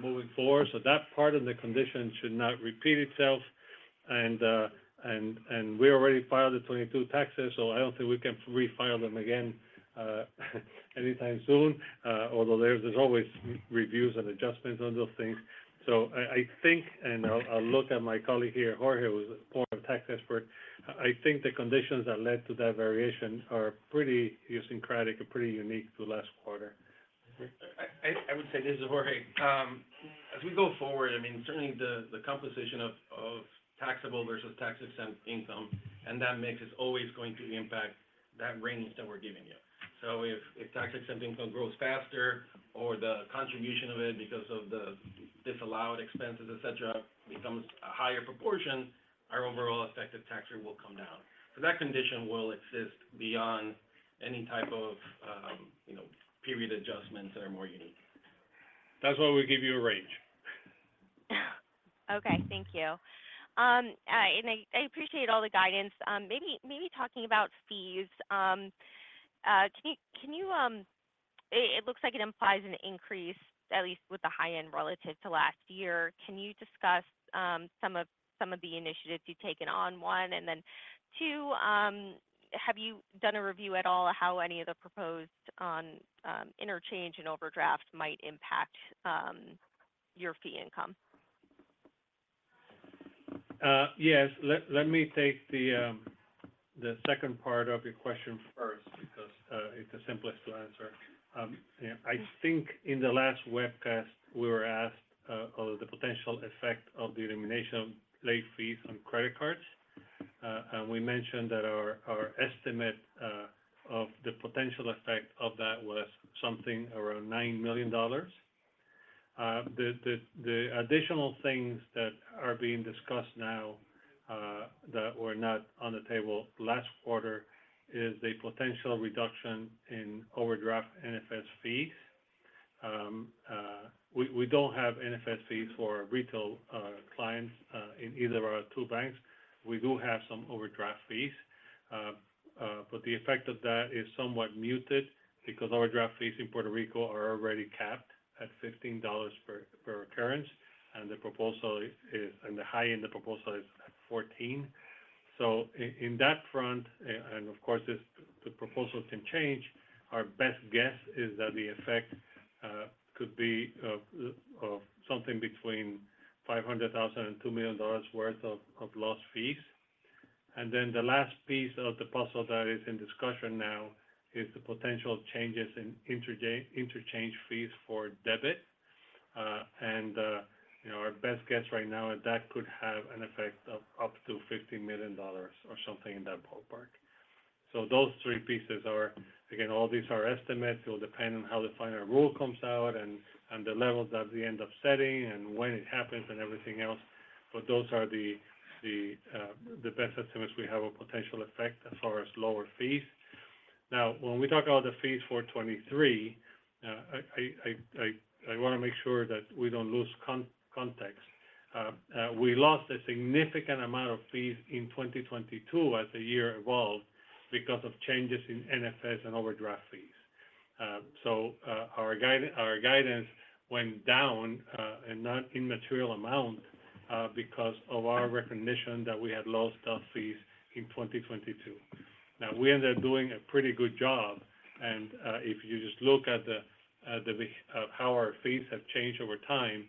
moving forward. So that part of the condition should not repeat itself.... and we already filed the 2022 taxes, so I don't think we can refile them again anytime soon. Although there's always reviews and adjustments on those things. So I think, and I'll look at my colleague here, Jorge, who is a former tax expert. I think the conditions that led to that variation are pretty idiosyncratic and pretty unique to last quarter. I would say, this is Jorge. As we go forward, I mean, certainly the composition of taxable versus tax-exempt income, and that mix is always going to impact that range that we're giving you. So if tax-exempt income grows faster or the contribution of it, because of the disallowed expenses, et cetera, becomes a higher proportion, our overall effective tax rate will come down. So that condition will exist beyond any type of, you know, period adjustments that are more unique. That's why we give you a range. Okay. Thank you. And I appreciate all the guidance. Maybe talking about fees, can you... It looks like it implies an increase, at least with the high end relative to last year. Can you discuss some of the initiatives you've taken on, one? And then two, have you done a review at all on how any of the proposed on interchange and overdrafts might impact your fee income? Yes. Let me take the second part of your question first, because it's the simplest to answer. Yeah, I think in the last webcast we were asked about the potential effect of the elimination of late fees on credit cards. And we mentioned that our estimate of the potential effect of that was something around $9 million. The additional things that are being discussed now that were not on the table last quarter is the potential reduction in overdraft NSF fees. We don't have NSF fees for retail clients in either of our two banks. We do have some overdraft fees. But the effect of that is somewhat muted because overdraft fees in Puerto Rico are already capped at $15 per occurrence, and the proposal is, and the high end of the proposal is at $14. So in that front, and of course, this, the proposals can change, our best guess is that the effect could be something between $500,000 and $2 million worth of lost fees. And then the last piece of the puzzle that is in discussion now is the potential changes in interchange fees for debit. And, you know, our best guess right now is that could have an effect of up to $50 million or something in that ballpark. So those three pieces are, again, all these are estimates. It will depend on how the final rule comes out and the levels that we end up setting, and when it happens, and everything else, but those are the best estimates we have a potential effect as far as lower fees. Now, when we talk about the fees for 2023, I want to make sure that we don't lose context. We lost a significant amount of fees in 2022 as the year evolved because of changes in NSF and overdraft fees. So, our guidance went down, and not in material amount, because of our recognition that we had lost our fees in 2022. Now, we ended up doing a pretty good job, and, if you just look at the, how our fees have changed over time,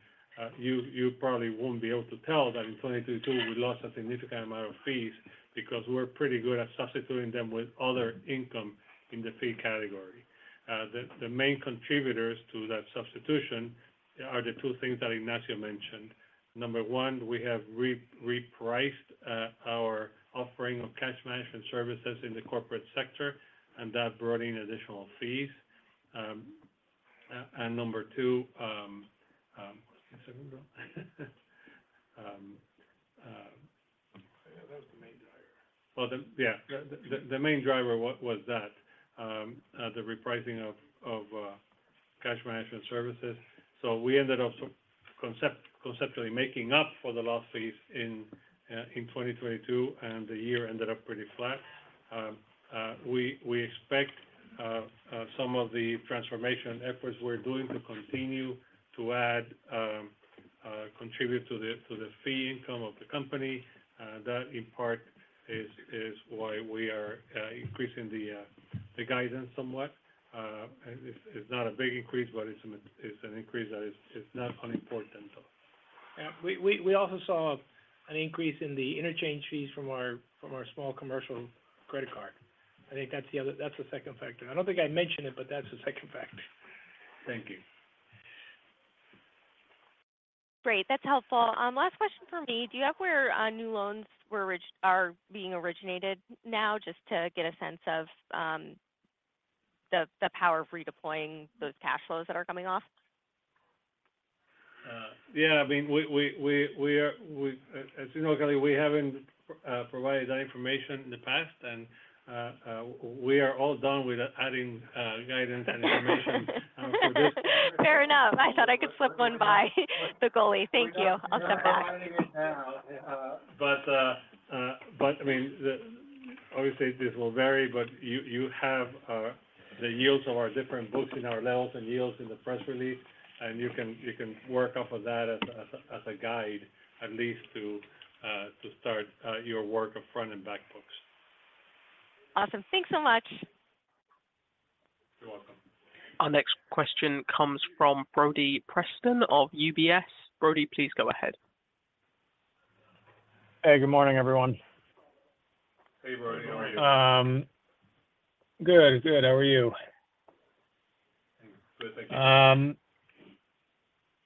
you probably won't be able to tell that in 2022 we lost a significant amount of fees, because we're pretty good at substituting them with other income in the fee category. The main contributors to that substitution are the two things that Ignacio mentioned. Number one, we have repriced our offering of cash management services in the corporate sector, and that brought in additional fees. And number two, can you say it again? Yeah, that was the main driver. Well, yeah, the main driver was that, the repricing of cash management services. So we ended up conceptually making up for the lost fees in 2022, and the year ended up pretty flat. We expect some of the transformation efforts we're doing to continue to add, contribute to the fee income of the company. That in part is why we are increasing the guidance somewhat. And it's not a big increase, but it's an increase that is not unimportant though. Yeah. We also saw an increase in the interchange fees from our small commercial credit card. I think that's the other, that's the second factor. I don't think I mentioned it, but that's the second factor. Thank you. Great. That's helpful. Last question from me. Do you have where new loans are being originated now, just to get a sense of the power of redeploying those cash flows that are coming off? Yeah. I mean, we are—as you know, Kelly, we haven't. We are all done with adding guidance and information- Fair enough. I thought I could slip one by the goalie. Thank you. I'll step back. Now, but I mean, obviously, this will vary, but you have the yields of our different books, our levels and yields in the press release, and you can work off of that as a guide, at least to start your work of front and back books. Awesome. Thanks so much. You're welcome. Our next question comes from Brody Preston of UBS. Brody, please go ahead. Hey, good morning, everyone. Hey, Brody. How are you? Good, good. How are you? Good. Thank you.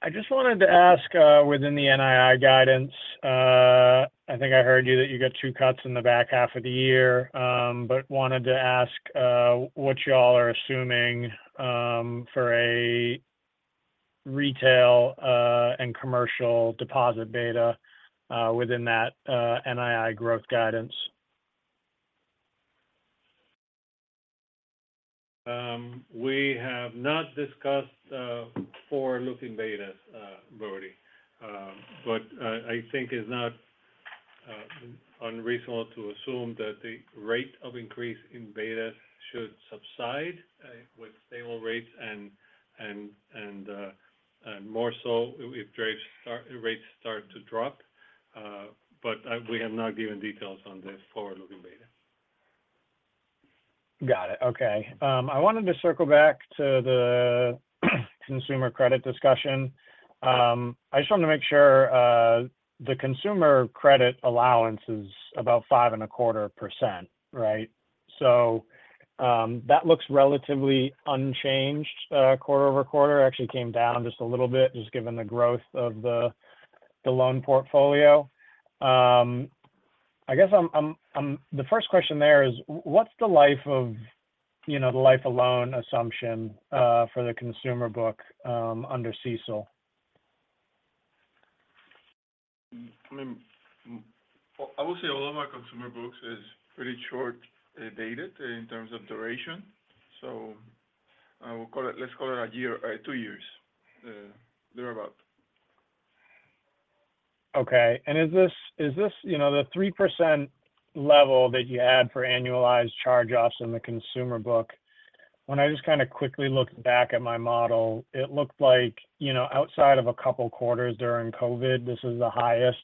I just wanted to ask, within the NII guidance, I think I heard you that you got two cuts in the back half of the year, but wanted to ask what you all are assuming for a retail and commercial deposit beta within that NII growth guidance. We have not discussed forward-looking betas, Brody. But I think it's not unreasonable to assume that the rate of increase in betas should subside with stable rates and more so if rates start to drop. But we have not given details on this forward-looking beta. Got it. Okay. I wanted to circle back to the consumer credit discussion. I just wanted to make sure, the consumer credit allowance is about 5.25%, right? So, that looks relatively unchanged, quarter-over-quarter. Actually came down just a little bit, just given the growth of the loan portfolio. I guess I'm-- The first question there is, what's the life of, you know, the life of loan assumption, for the consumer book, under CECL? I mean, I would say all of our consumer books is pretty short dated in terms of duration, so I will call it—let's call it a year, two years, thereabout. Okay. And is this, is this, you know, the 3% level that you had for annualized charge-offs in the consumer book? When I just kind of quickly looked back at my model, it looked like, you know, outside of a couple quarters during COVID, this is the highest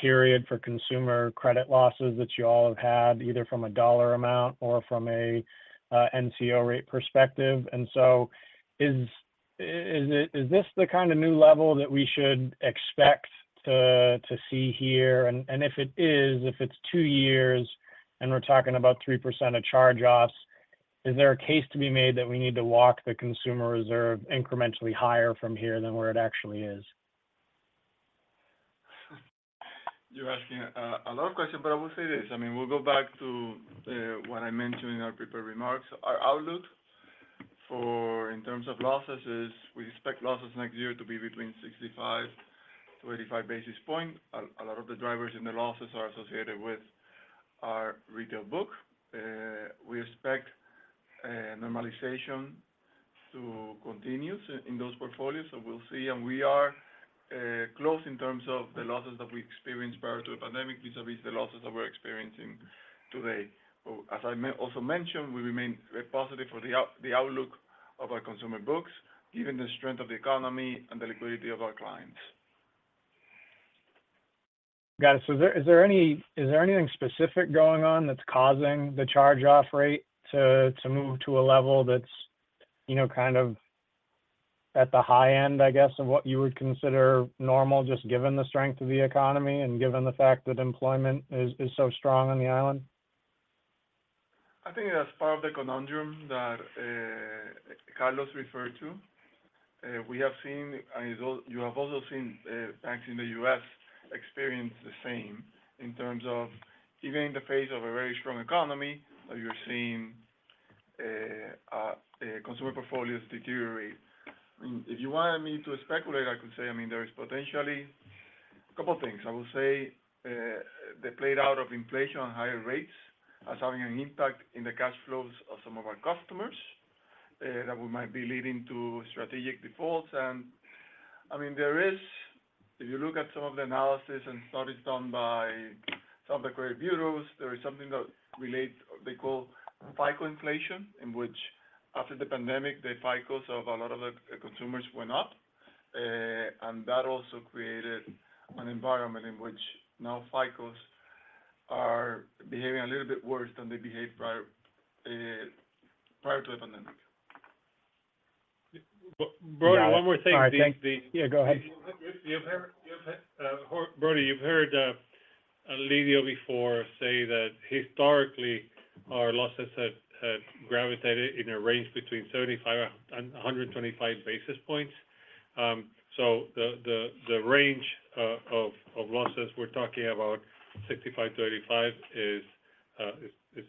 period for consumer credit losses that you all have had, either from a dollar amount or from a NCO rate perspective. And so is, is it—is this the kind of new level that we should expect to see here? And if it is, if it's 2 years and we're talking about 3% of charge-offs, is there a case to be made that we need to walk the consumer reserve incrementally higher from here than where it actually is? You're asking a lot of questions, but I will say this, I mean, we'll go back to what I mentioned in our prepared remarks. Our outlook for in terms of losses is we expect losses next year to be between 65-85 basis points. A lot of the drivers in the losses are associated with our retail book. We expect normalization to continue in those portfolios, so we'll see. And we are close in terms of the losses that we experienced prior to the pandemic vis-a-vis the losses that we're experiencing today. So as I also mentioned, we remain very positive for the outlook of our consumer books, given the strength of the economy and the liquidity of our clients. Got it. So is there anything specific going on that's causing the charge-off rate to move to a level that's, you know, kind of at the high end, I guess, of what you would consider normal, just given the strength of the economy and given the fact that employment is so strong on the island? I think that's part of the conundrum that Carlos referred to. We have seen, and you have also seen, banks in the U.S. experience the same in terms of even in the face of a very strong economy, you're seeing consumer portfolios deteriorate. If you wanted me to speculate, I could say, I mean, there is potentially a couple of things. I will say, the played out of inflation on higher rates as having an impact in the cash flows of some of our customers, that we might be leading to strategic defaults. And I mean, there is, if you look at some of the analysis and studies done by some of the credit bureaus, there is something that relates, they call FICO inflation, in which after the pandemic, the FICOs of a lot of the consumers went up. That also created an environment in which now FICOs are behaving a little bit worse than they behaved prior to the pandemic. Brody, one more thing- All right, thank you. Yeah, go ahead. You've heard, Brody, you've heard Lidio before say that historically, our losses have gravitated in a range between 75 and 125 basis points. So the range of losses we're talking about 65-35 is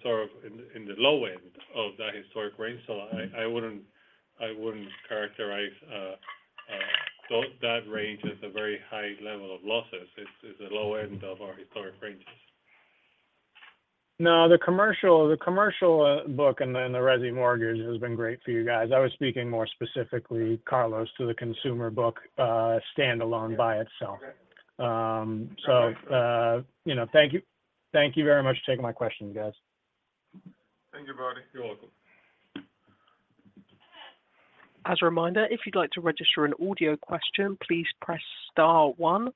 sort of in the low end of that historic range. So I wouldn't characterize that range as a very high level of losses. It's a low end of our historic ranges.... No, the commercial, the commercial, book and then the resi mortgage has been great for you guys. I was speaking more specifically, Carlos, to the consumer book, standalone by itself. Okay. You know, thank you—thank you very much for taking my questions, guys. Thank you, Brody. You're welcome. As a reminder, if you'd like to register an audio question, please press star one.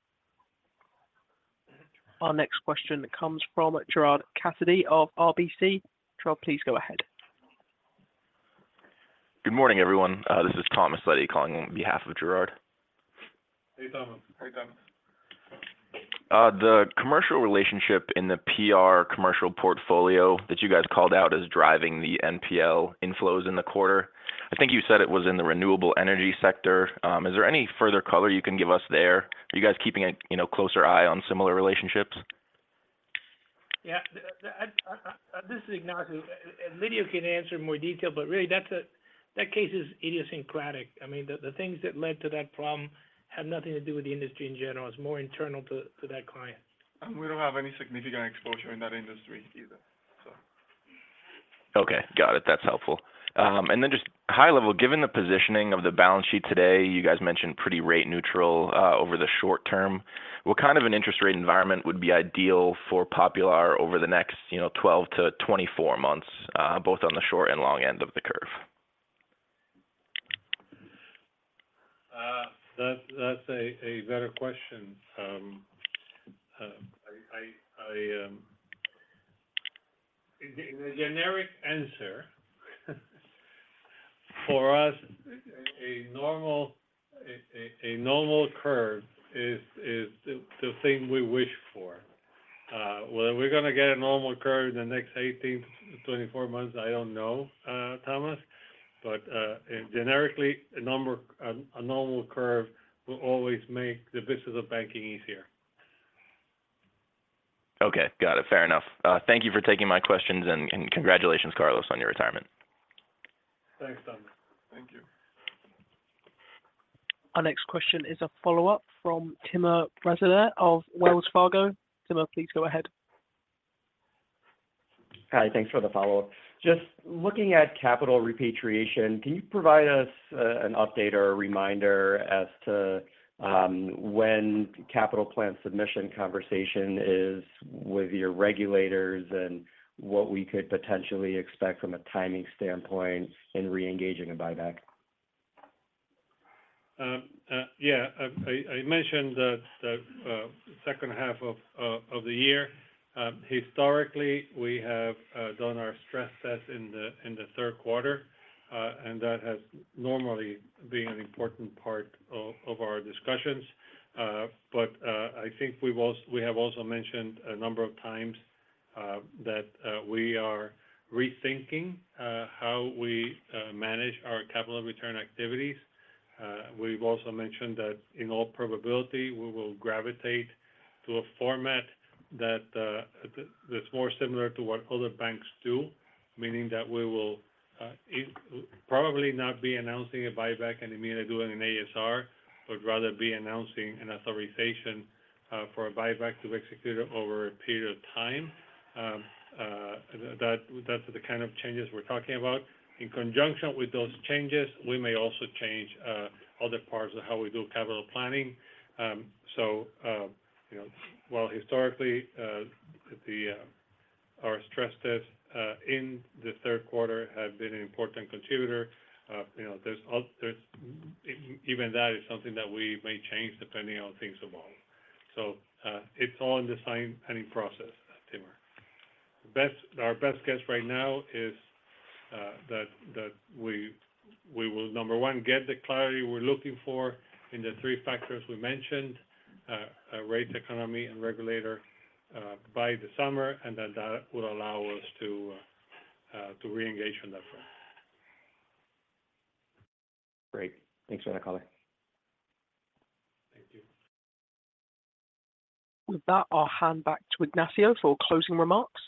Our next question comes from Gerard Cassidy of RBC. Gerard, please go ahead. Good morning, everyone. This is Thomas Leddy, calling on behalf of Gerard. The commercial relationship in the PR commercial portfolio that you guys called out as driving the NPL inflows in the quarter, I think you said it was in the renewable energy sector. Is there any further color you can give us there? Are you guys keeping a, you know, closer eye on similar relationships? Yeah. This is Ignacio. Lidio can answer in more detail, but really that's a case that is idiosyncratic. I mean, the things that led to that problem had nothing to do with the industry in general. It's more internal to that client. We don't have any significant exposure in that industry either, so. Okay, got it. That's helpful. And then just high level, given the positioning of the balance sheet today, you guys mentioned pretty rate neutral over the short term. What kind of an interest rate environment would be ideal for Popular over the next, you know, 12-24 months, both on the short and long end of the curve? That's a better question. The generic answer, for us, a normal curve is the thing we wish for. Whether we're gonna get a normal curve in the next 18-24 months, I don't know, Thomas, but generically, a normal curve will always make the business of banking easier. Okay, got it. Fair enough. Thank you for taking my questions, and, and congratulations, Carlos, on your retirement. Thanks, Thomas. Our next question is a follow-up from Timur Braziler of Wells Fargo. Timur, please go ahead. Hi, thanks for the follow-up. Just looking at capital repatriation, can you provide us an update or a reminder as to when capital plan submission conversation is with your regulators and what we could potentially expect from a timing standpoint in reengaging a buyback? Yeah. I mentioned that the second half of the year, historically, we have done our stress test in the third quarter, and that has normally been an important part of our discussions. But I think we have also mentioned a number of times that we are rethinking how we manage our capital return activities. We've also mentioned that in all probability, we will gravitate to a format that's more similar to what other banks do, meaning that we will probably not be announcing a buyback and immediately doing an ASR, but rather be announcing an authorization for a buyback to be executed over a period of time. That, that's the kind of changes we're talking about. In conjunction with those changes, we may also change other parts of how we do capital planning. So, you know, while historically, our stress test in the third quarter has been an important contributor, you know, there's even that is something that we may change depending on how things evolve. So, it's all in the same planning process, Timur. Our best guess right now is that we will, number one, get the clarity we're looking for in the three factors we mentioned, rate, economy, and regulator, by the summer, and then that would allow us to reengage on that front. Great. Thanks for that color. Thank you. With that, I'll hand back to Ignacio for closing remarks.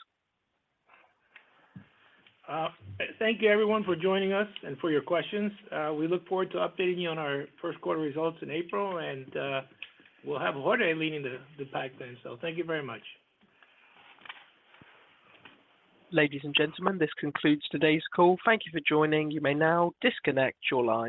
Thank you everyone for joining us and for your questions. We look forward to updating you on our first quarter results in April, and we'll have Jorge leading the pack then. So thank you very much. Ladies and gentlemen, this concludes today's call. Thank you for joining. You may now disconnect your line.